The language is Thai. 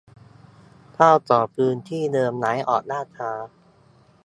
เจ้าของพื้นที่เดิมย้ายออกล่าช้า